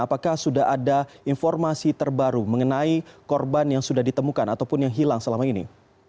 apakah sudah ada informasi terbaru mengenai korban yang sudah ditemukan ataupun yang hilang selama ini